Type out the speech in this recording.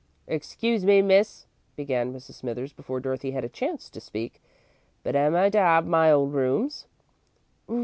"Excuse me, Miss," began Mrs. Smithers, before Dorothy had a chance to speak, "but am I to 'ave my old rooms?"